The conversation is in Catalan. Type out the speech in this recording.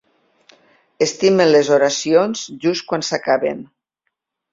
Estimen les oracions just quan s'acaben.